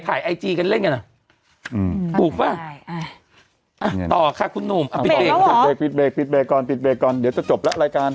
ปลูกป่ะต่อค่ะคุณหนูปิดเบรกก่อนเดี๋ยวจะจบแล้วรายการ